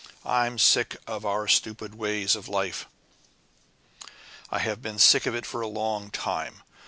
I'm sick of our stupid ways of life I have been sick of it for a long time.